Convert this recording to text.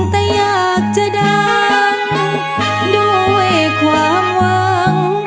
แต่อยากจะดังด้วยความหวัง